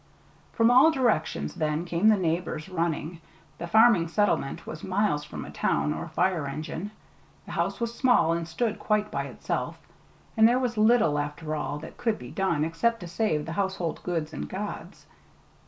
From all directions then came the neighbors running. The farming settlement was miles from a town or a fire engine. The house was small, and stood quite by itself; and there was little, after all, that could be done, except to save the household goods and gods.